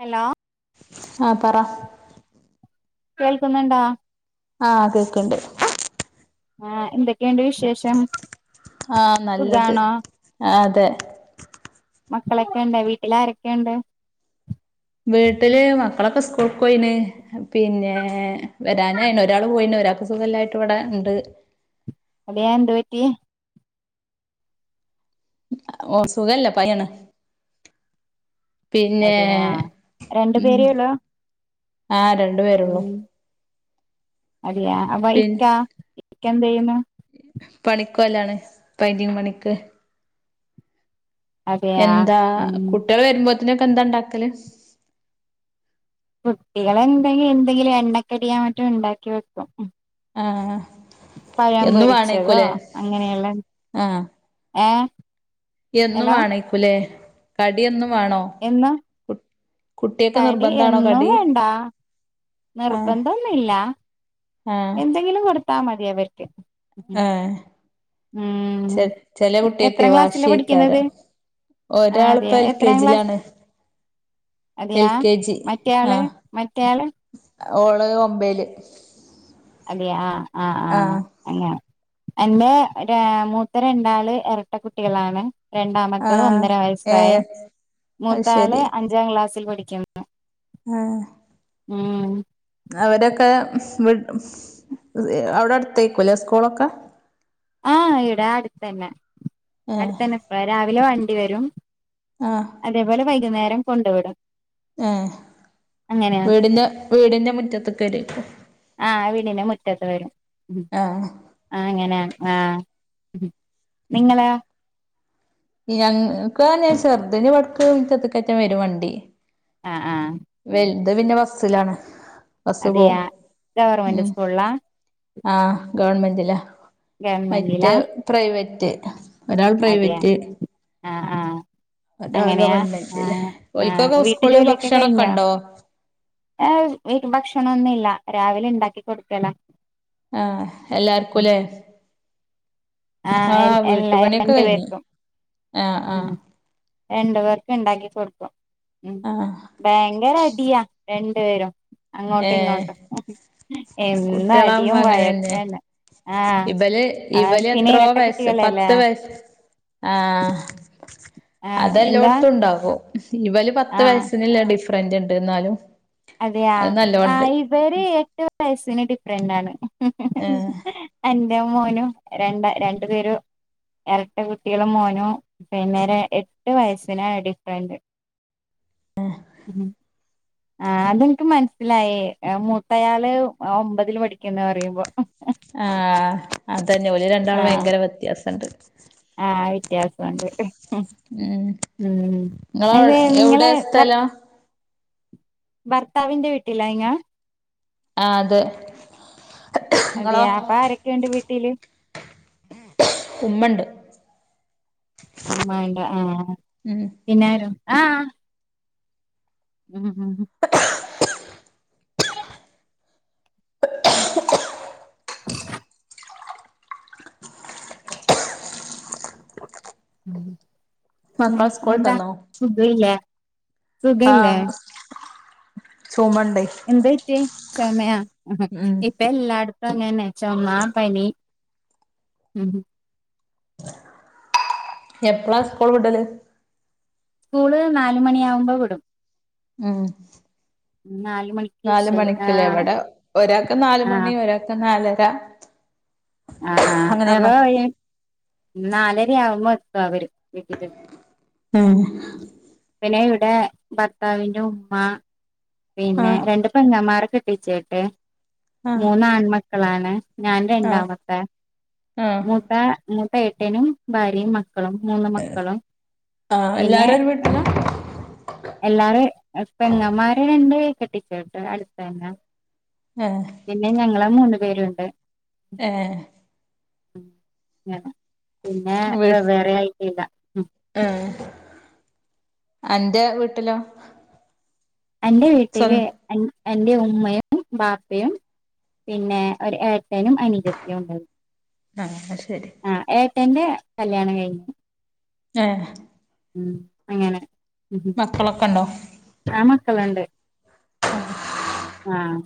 Hello. ആഹ പറ? കേൾക്കുന്നുണ്ടാ? ആഹ കേക്കണ്ട്. ആഹ എന്തൊക്കെയുണ്ട് വിശേഷം? ആഹ നല്ലത്, സുഖാണോ ആഹാ അതെ. മക്കളൊക്കെ ഉണ്ടാ? വീട്ടിൽാരൊക്കെയുണ്ട്? വീട്ടില് മക്കളൊക്കെ സ്കൂൾ പോയിന്, പിന്നെ വരാനയി ഒരാള് പോയിന് ഒരാ- അസുഖായിട്ട് ഇവിടെ ഉണ്ട്. അടിയാ എന്തുപറ്റി ഓ സുഖല്ല പനിയാണ് പിന്നെ അതെയാ രണ്ടു ഉം ആര ഉ അറിയാ അപ്പൊ പിന്നെ ഇക്കാ ഇക്ക എന്ത യ്യുന്നു പണിക്കോ ലാണ് പൈറ്റിങ് പണിക്ക് അതെയാ എന്താ ഉം കുട്ടിയോൾ വരുമ്പോത്തിനൊക്കെ എന്താ ണ്ടാക്കല് കുട്ടികളെ എന്തങ്കി എന്തെങ്കിലും എണ്ണക്കടിയാ മറ്റും ഉണ്ടാക്കി വെക്കും ആഹ് ആ പഴം പൊരിച്ചതോ അങ്ങനെയുള്ള ആഹ് ഏഹ് എന്നും ഹലോ വേണക്കുലെ കടി എന്നും വാണോ എന്നാ കടി നിർബന്ധാണോ എന്നും കടി വേണ്ട ആഹ് നിർബന്ധൊന്നില്ല എന്തെങ്കിലും കൊടുത്താ മതി അവർക്ക് ഏഹ് ഉം ചെ ചെല കുട്ടിയൊക്ക് എത്രാം ക്ലാസ്സിലാ പഠിക്കുന്നത് വാശിയേക്കാരം ആ ഒരാള് അതെയ പ്പം എൽ കെ എത്രാം ക്ലാസ് ജിലാണ് അതെയാ മറ്റയാള് ആഹ് മറ്റയാള് ഓള് ഒമ്പേല് അതെ ആഹ് ആഹ് ഹാ അങ്ങനെ എഞ്ഞെ രാ മൂത്ത രണ്ടാള് എരട്ട കുട്ടികളാണ് രണ്ടാമത്തെ ആഹ് ഒന്നര വയസ്സായി ഏഹ് അത് മൂത്താള് ശരി അഞ്ചാം ക്ലാസ്സിൽ പഠിക്കും ആഹ് ഉം അവരൊക്കെ വി അവിടെ അടുത്തേക്കൂല്ലേ സ്കൂളൊക്കെ ആഹ് ഇടാ അടുത്തന്നെ ഏഹ് അടുത്തന്നെ സ് രാവിലെ വണ്ടി വരും ആഹ് അതേപോലെ വൈകുന്നേരം കൊണ്ടു വിടും ഏഹ് വി ടിന്റെ വീടിന്റെ മുറ്റത്ത് ക് വരോയ്ക്കും ആഹ് വീടിന്റെ മുറ്റത്ത് വരും ആഹ് ആ ഹ് അങ്ങനെ ആഹ് നിങ്ങളെ ഞങ്ങക്ക് അഹന്നെ ചെറ്ത് ന്‌ ഇവട്ക്ക് മുറ്റത്ത് ക്കറ്റം വരും വണ്ടി ആഹ്ആഹ വല്ത് പിന്നെ ബസ്സിലാണ് ബസ്സ് പോവും അതെയാ ഗവർമെന്റ് ഉം സ്കൂളാ ആഹ് ഗവൺമെന്റ്ലാ മറ്റേ ഗവൺമെന്റിലാ പ്രൈവറ്റ് ഒരാൾ അതെയ പ്രൈവറ്റ് ആഹ് ആഹ് ഒരാൾ അങ്ങനെയാ ഗവൺമെന്റിലാ ഓൽ കൊക്കെ സ്കൂള് ഭക്ഷണം ഞ്ഞാ ഭക്ഷണൊന്നുല്ല രാവിലെ ഉണ്ടാക്കി കൊടുക്കല ആഹ് എല്ലാർക്കും ഇ ല്ലേ ആഹ് വീട്ടുപണിയൊക്കെ കഴിഞ്ഞു ആഹ് ആഹ് രണ്ടു പേർക്കും ഉണ്ടാക്കി കൊടുക്കും ഉം ആഹ് ഭയങ്കര അടിയാ രണ്ട് പേരും അങ്ങോട്ടും ഏഹ് ഇങ്ങോട്ട് എന്ന കുട്ടികളാവുമ്പോ അടിയും അങ്ങനെന്നെ വയക്കാന്ന ആഹ് ഇവല് ആ ഇവല് പിന്നെ എത്രോ വയസ്സ് ഇരട്ടക്കുട്ടികളല്ലേ പത്ത് ആഹ് ആഹ് എന്താ അതെല്ലോട്തുണ്ടാകും ഇവൽ പത്ത് ആഹ് വയസിനില്ല ഡിഫറന്റ് ഇണ്ട് എന്നാലും അതെയ അത് ആ നല്ലോണ്ട് ഇവര് എട്ട് വയസ്സിന് ഡിഫറന്റ് ആണ് ഏഹ് എന്റെ മോനും രണ്ടാ രണ്ടു പേര് എരട്ട കുട്ടികളും മോനും പിന്നേരെ എട്ട് വയസ്സിനാ ഡിഫറന്റ് ഉം ആഹ് അതിന്ക്ക് മനസ്സിലായി മൂത്തയാള് ഒമ്പതിൽ പഠിക്കുന്ന് പറയുമ്പം ആഹ് അതന്നെ ഓല് രണ്ടാളും ഭയങ്കര വ്യത്യാസുണ്ട് ആഹ് വ്യത്യാസണ്ട് ഉം നിങ്ങള അത് എവിടെ നിങ്ങള് ഭർ സ്ഥലം ഭർത്താവിന്റെ വീട്ടില ങ്ങ ആഹ് അതെ നിങ്ങളോ അതെയാ അപ്പൊ ആരൊക്കെയുണ്ട് വീട്ടില് ഉമ്മണ്ട് അമ്മണ്ട ആഹ് ഉം പിന്നൊര ആഹ ഉം ഉം [inaudible] ഉം മക്കളെ എന്താ സ്കൂളിട്ടന്നോ സുഖല്ല സുഖ ഇല്ലേ ആഹ് ചുമണ്ടേ എന്തയിട്ട് ചൊമയാ ഉം പ്പല്ലാടുത്തങ്ങന തന്നെ ചൊമ പനി ഉം എപ്പഴാ സ്കൂൾ വിടല് സ്കൂള് നാല് മണിയാവുമ്പോ വിടും ഉം നാല് മണിക്ക് നാല ശരി മണിക്കല്ലേ ആഹ് എവിടെ ഒരാക്കെ നാല മണി ആഹ് ഒരാ നാലരാ ആ ആഹ് അപ്പൊ നാലരയാവുമ്പോ എത്ത അവര് വീട്ടി ഉം പിന്നെ ഇവിടെ ഭർത്താവിന്റെ ഉമ്മ പിന്നെ ആഹ് രണ്ട് പെങ്ങമ്മാരെ കെട്ടീച്ചേട്ട് ആഹ് മൂന്നാൺമക്കളാണ് ഞാൻ ആഹ് രണ്ടാമത്തെ ആഹ് മൂത്ത മൂത്ത എട്ടേന ഭാര്യ മ ക്കളും മൂന്ന് മക്കളും ആഹ് പിന്നെ എല്ലാരും ഒരു വീട്ടിലാ എല്ലാരും പെങ്ങന്മാര് രണ്ട് കെട്ടിച്ചേട്ട് അടുത്തന്നെ ഏഹ് പിന്നെ ഞങ്ങളെ മൂന്നു പേരുണ്ട് ഏഹ് പിന്നെ വെ വേറെ ആയിട്ടില്ല ഉം എ അന്റെ വീട്ടിലോ അന്റെ സ്വ വീട്ടില് അന്റെ ഉമ്മയും ബാപ്പയും പിന്നെ ഒരു ഏട്ടനും അനിയത്യം ഉണ്ട ആഹ് ശരി ആ ഏട്ടന്റെ കല്യാണം കഴിഞ്ഞു ഏഹ് ഉം അങ്ങനെ മക്കളൊക്കെണ്ടോ അ മക്കളുണ്ട് ആഹ്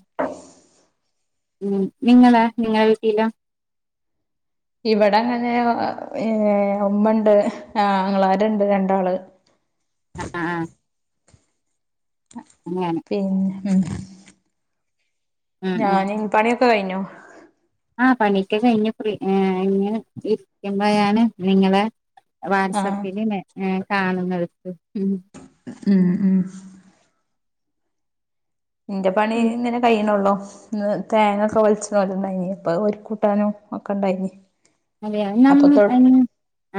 ഉം നിങ്ങള നിങ്ങള വീട്ടില ഇവിടെ അങ്ങനെ ഏ ഉമ്മുണ്ട് ആങ്ങളാര് ണ്ട് രണ്ടാള് ആഹ് ആഹ് അങ്ങനെ പിന്നെ ഉം ഉം ഞാൻ പാണിയൊക്കെ കഴിഞ്ഞോ ആ പണിക്കെ കൈഞ്ഞ് ഇ ഫ്രീ ഇങ്ങനെ ഇരിക്കുമ്പോ ആണ് നിങ്ങളെ ആഹ് വാട്സപ്പില് കാണുന്നടു ഉം ഉം നിന്റെ പണി ഇങ്ങനെ കഴിയണള്ളോ തേങ്ങൊക്കെ വലിച്ചല്ലണ്ടായിനി ഇപ്പൊ ഒരു കൂട്ടാനും ഒക്കെ ഇണ്ടായിന് അതെയ ന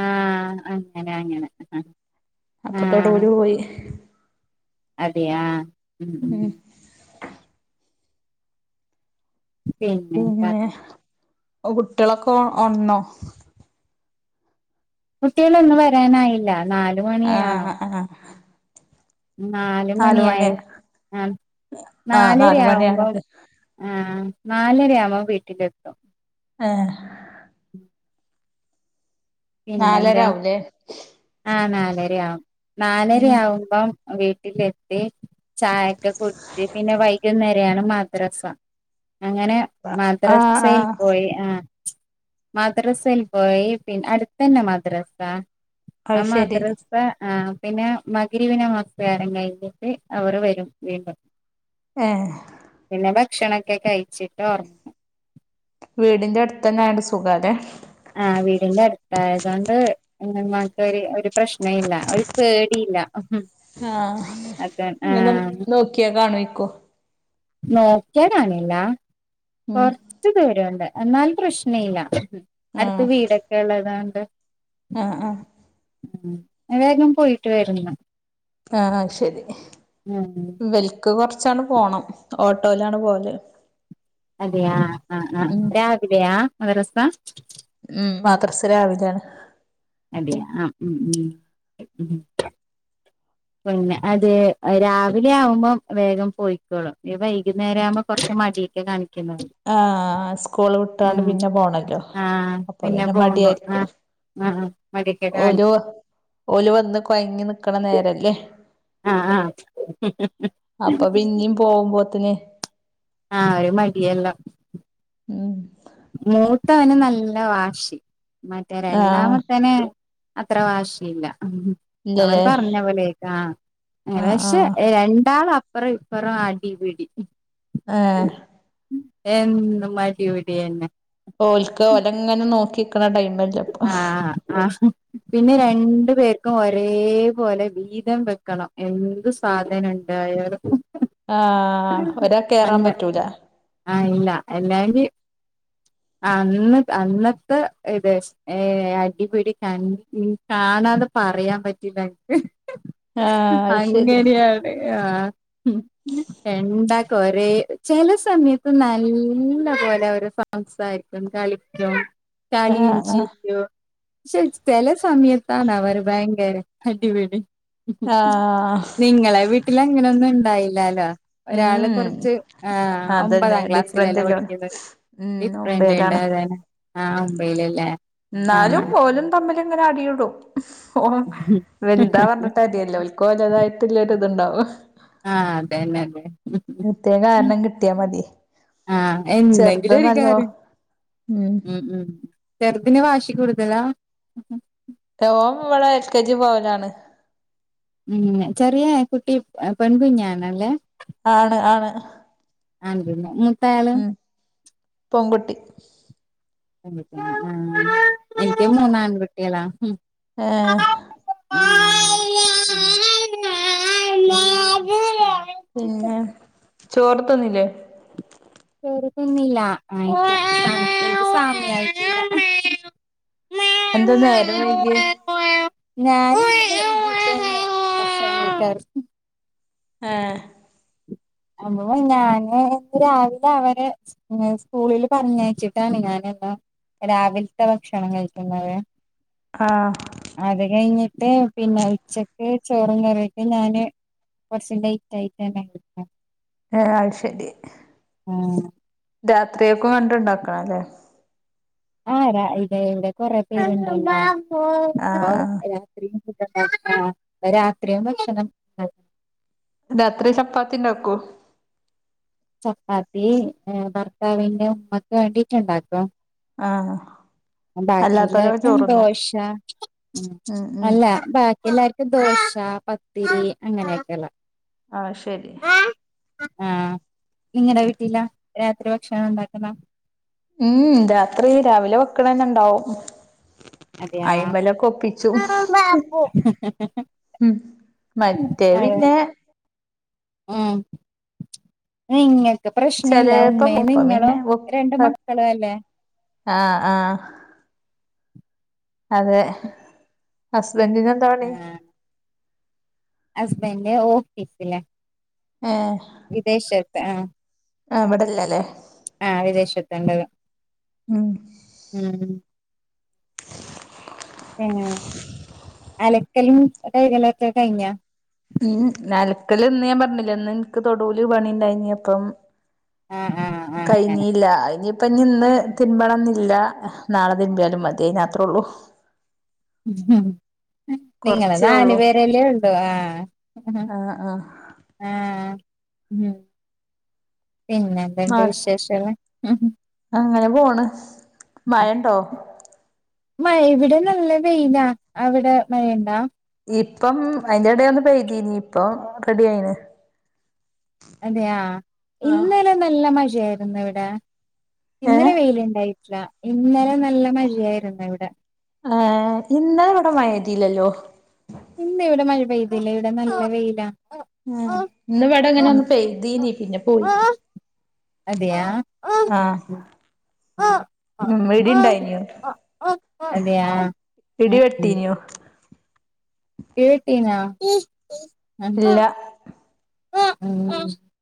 ആ അങ്ങെ അങ്ങനെ ആ അപ്പത്തോട്ടോല് പോയി അതെയാ ആഹ് ഉം പിന്നെന്താ പിന്നെ കുട്ടിയ ളൊക്കെ ഒണ്ന്നോ കുട്ടിയളൊന്നും വരാനായില്ല നാല മണിയാണോ ആഹാ നാല് മണിയായി ആ ആഹ് നാലര നാല് ആവുമ്പോം മണിയാണല്ലേ ആ നാലരയാവുമ്പോ വീട്ടിലെത്തും ഏഹ് ഉം നാലരാവലേ ആ നാലരയാവും ഉം നാലരയാവുമ്പം വീട്ടിലെ ത്തി ചായൊക്കെ കുടിച്ച് പിന്നെ വൈകുന്നേര ആണ് മദ്രസ അങ്ങനെ ആഹ് മദ്രസയിൽ ആഹ് പോയി ആ മദ്രസയിൽ പോയി പിന്നെ അടു തന്നെ മദ്രസ ആ അത് ശരി മദ്രസ് അപ്പ ആ പിന്നെ മകുരിവിനമസ്കാരം കഴിഞ്ഞിട്ട് അവർ വരും വീണ്ടും ഏഹ് പിന്നെ ഭക്ഷണൊക്കെ കഴിച്ചിട്ട് ഓർ വീടിന്റെ അടുത്ത് തന്നെ ആയണ്ട് സുഖാലെ ആഹ് വീടിന്റെ അടുത്താ ഏതണ്ട് എന്നമാട്ട് ഒരു ഒരു പ്രശ്ന ഇല്ല ഒരു പേടിയില്ല ആഹ് അത ആ ഇങ്ങനെ നോക്കിയാ കാണോക്കോ നോക്കിയാ കാണില ഉം കൊർച്ച് ച്ചു പേടിയുണ്ട് എന്നാൽ പ്രശ്ന ഇല്ല അടുത്ത് ആഹ് വീടൊക്കെ ഉള്ളതാണ്ട് ആഹ് ആ ഉം വേഗം പോയിട്ട് വരണം ആ ആഹ് ശരി ഉം ഇവൽക്ക് കുറച്ചാണ് പോണം ഓട്ടോയിലാണ് പോല് അതെയാ ആഹ് ആ ആഹ് ഉം രാവിലെയാ മദ്രസ ഉം മദ്രസ രാവിലെ അതെ ആ ഉം ഉം ഉം പുന്നെ അതെ രാവിലെ ആവുമ്പോം വേഗം പോയിക്കോളും വൈകുന്നേരം ആവുമ്പോൾ കുറച്ച് മടി ക്കെ കാണിക്കുന്നുള്ളൂ ആഹ് സ്കൂള് വിട്ടാണ്ട് പിന്നെ പോണല്ലോ ആഹ് അപ്പൊ പിന്നെ പോകുമ്പോ മടിയായിരിക്കും ആഹ് ആഹ് മടിയൊക്കെ കാണി ഓലോ ഓല് വന്ന് കൊഴങ്ങി നിക്കണ നേരല്ലേ ആ ആഹ് അപ്പൊ പിന്നും പോകുമ്പോത്തന് ആഹ് ഒരു മടിയെല്ലാം ഉം മൂത്തവന് നല്ല വാശി മറ്റേ ആഹ് രണ്ടാമത്തേന് അത്ര വാശി ഇല്ല അവൻ ഇല്ലല്ലേ പറഞ്ഞ പോലേയെക്ക് ആ അങ്ങനെ ആഹ് പക്ഷെ ആഹ് രണ്ടാൾ ഇപ്പറ ഇപ്പറം അടി വീടി എഹ് എന്നും മടി വിടി എന്നെ ഓൽക്ക് ഓലങ്ങനെ നോക്കിക്കണ ടൈം അല്ലേ ആഹ് ആഹ്. പിന്നെ രണ്ടു പേർക്കും ഒരേ പോലെ വീതം വെക്കണം എന്ത് സ്. സാധന ണ്ടായാലും. ആഹ് ഒരാക്കേറാൻ പറ്റൂല. ആ ഇല്ല അല്ലങ്കി അന്ന് അന്നത്തെ ഇത്. ഏഹ് അടിപിടി കണ് കാണാതെ പറയാൻ പറ്റില്ല എനിക്ക്. ആഹ് അത് ശരി അങ്ങനെയാണ് ആഹ്. രണ്ടാക്കും ഒരേ ചെല സമയത്ത് നല്ല പോലെ അവര് പ സംസാരിക്കും കളിക്കും. ആഹ് കളീം ആഹ് ചിരിയും ച്ചെ ചെല സമയത്താണ് അവർ ഭയങ്കര. അടിപടി ആഹ് നിങ്ങളെ വീട്ടിലങ്ങനൊന്നുണ്ടായില്ലാലോ. ഒരാള് ഉം കൊർച്ച് ആഹ് അതന്നെ ഒമ്പതാം ഡിഫറന്റ് ക്ലാസ്സിലല്ലെ അല്ലോണം പഠിക്കുന്നത്. ഉം ഫ്രണ്ട് ഒമ്പേലാണ് ണ്ടായതന്നെ ആഹ് ഒമ്പയിലല്ലേ. എന്നാലും ആഹ് ഓലും തമ്മിലിങ്ങനെ അടി ഇടും ഓ വൽതാവ തൊ മതിയല്ലോൽക്കോലതായിട്ടുള്ളൊരു ഇത്ണ്ടാവും. ആഹ് അതന്നെ അതെ പ്രത്യേക കാരണം കിട്ടിയാ മതി ആഹ് ചെറുത് എന്തെങ്കിലൊരു നല്ലോ കാര്യം ഉം ഉം ചെറുതിന് വാശി കൂടുതലാ. ഓൻ ഇവിടെ എൽ കെ ജി പോവലാണ്. ഉം നിക്കറിയ ഈ കുട്ടി പെൺകുഞ്ഞാണല്ലേ ആണ് ആണ്. ആൺകുട്ടി പിന്നെ മുത്തയാള്. പൊൺകുട്ടി. ആഹ് എനിക്കും മൂന്നാൺ കുട്ടിയള. ഏഹ്. [unintelligible] പിന്നെ ചോറ് ത്തിന്നില്ലേ. ചോറുതിന്നില്ലാ കൈക്കാൻ സമയായിട്ടില്ല. എന്ത് നേരം വൈകിയെ നേരം. [inaudible] [unintelligible] ആഹ്. അപ്പൊ ഞാന് രാവിലെ അവര് സ്കൂളില് പറഞ്ഞയച്ചിട്ടാണ് ഞാനിത രാവിൽത്തെ ഭക്ഷണം കഴിക്കുന്നതേ. ആഹ്. അത് കഴിഞ്ഞിട്ട് പിന്നെ ഉച്ചക്ക് ചോറും കറിയൊക്കെ ഞാന് കൊർച്ച് ലേറ്റായിട്ട ഞാൻ കഴിക്ക ഏ അയ്ശരി. ആഹ് രാത്രിയേക്കും വേണ്ടി ഇണ്ട്ണ്ടാക്കണല്ലേ. ആഹ് രാ ഇതെ ഇവ്ടെ കൊറെ പേരുണ്ടല്ലാ അപ്പൊ ആ ആ [inaudible] രാത്രിയാവുംമ്പ എത്തണം. രാത്രി ചപ്പാത്തി ഇണ്ടാക്കോ ചപ്പാത്തി ഏ ഭർത്താവിന്റെ ഉമ്മക്ക് വേണ്ടിട്ടുണ്ടാക്കും ആഹ്. ബാക്കിഉള്ളോർക്കും ദോശ ഉം അല്ല ബാ എല്ലാർക്കും ദോശ പത്തിരി അങ്ങനെയൊക്കിള്ള. ആഹ് ശരി. ആഹ് നിങ്ങടെ വീട്ടില രാത്രി ഭക്ഷണം ഇണ്ടാക്കുന്ന ഉം രാത്രി രാവിലെ വെക്കണന്നെ ഇണ്ടാവും അതെയാ അയിമേലകൊപ്പിച്ചു ഉം മറ്റേ അതെ പിന്നെ ഉം നിങ്ങൾക്ക് പ്രശ്നില്ല ഉമ്മ ചെലേപ്പം അപ്പം നിങ്ങളും പിന്നെ രണ്ട് മക്കളും അല്ലേ ആഹ് ആഹ് അതെ ഹുസ്ബൻഡിനെന്താ പണി ആ ഹസ്ബൻഡ് ഓഫീസില ഏഹ് വിദേശത്ത് ആഹ് ആഹ് വടെല്ലല്ലേ ആഹ് വിദേശത്ത്ണ്ടാവ ഉം ഉം ആഹ് അലക്കലും കൈകലൊക്ക കയ്ഞ്ഞ ഉം അൽക്കല് ന്ന് ഞാ പറഞ്ല്ലേ ന്ന് ഇന്ക്ക് തൊട്ടൂല് പണിണ്ടായിനി അപ്പം ആഹ് ആഹ് കയ്ഞ്ഞീല്ല അയ്നി ഇപ്പഞ് ഇന്ന് തിര്പണം ന്നില്ല നാള തിര്‌ പാലും മതി അയ്നാത്രള്ളു ഉം നിങ്ങള് കൊറച്ചേ നാല് ഒള്ളൂ പേരെല്ലേ ഒള്ളോ ആഹ് ആഹ് ആഹ് ആഹ് ഉം പിന്നെന്ത്ണ്ട് വിശേഷേള് അങ്ങന പോണ് മയണ്ടോ മഴ ഇവിടെ നല്ല വൈലാ അവിടെ മഴ ഇണ്ടാ ഇപ്പം അയ്ന്റെ എടേ ഒന്ന് പെയ്തീനി ഇപ്പം റെഡി ആയിന് അതെയാ ആഹ് ഇന്നലെ നല്ല മഴആരുന്നു ഇവടെ ഏഹ് ഇന്നലെ വൈലിണ്ടായി ഇന്നലെ നല്ല മഴയാരുന്നു ഇവ്ടെ ഏ ഇന്നല ഇപട മയ എയ്തീലല്ലോ ഇന്ന് ഇവിടെ മഴ പെയ്തില്ല ഇവിടെ നല്ല വൈലാ ആഹ് ഇന്ന് വട ഇങ്ങനെ ഒന്ന് പെയ്തീനീ പിന്നെ പോയി അതെയാ ആഹ് ആഹ് ഉം ഇടി ഇണ്ടായിനോ അതെയാ ഇടി ഉം ഉം വെട്ടീനോ ഇടി വെട്ടീനാ ഇല്ല